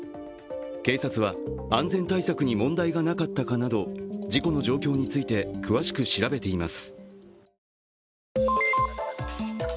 警察は安全対策に問題がなかったかなど事故の状況について、詳しく調べています。